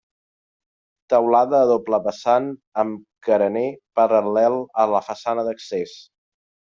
Teulada a doble vessant amb carener paral·lel a la façana d'accés.